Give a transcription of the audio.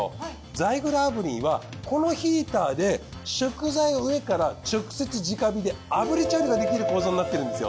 ザイグル炙輪はこのヒーターで食材を上から直接直火で炙り調理ができる構造になってるんですよ。